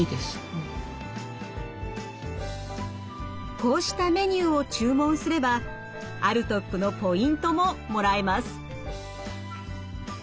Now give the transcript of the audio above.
こうしたメニューを注文すれば歩得のポイントももらえます。